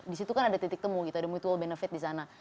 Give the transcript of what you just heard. disitu kan ada titik temu gitu ada mutual benefit disana